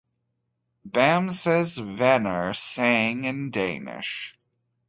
Bamses Venner sang in Danish.